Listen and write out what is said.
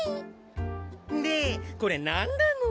でこれなんなの？